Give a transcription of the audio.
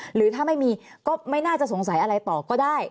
หรือถ้าไม่มีก็ไม่น่าจะสงสัยอะไรต่อก็ได้